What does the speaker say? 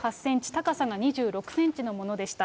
高さが２６センチのものでした。